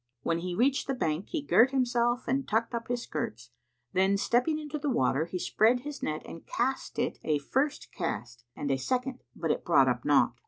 When he reached the bank, he girt himself and tucked up his skirts; then stepping into the water, he spread his net and cast it a first cast and a second but it brought up naught.